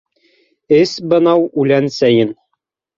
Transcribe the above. Эс бынау үлән сәйен.